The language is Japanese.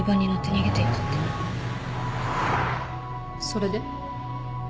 それで？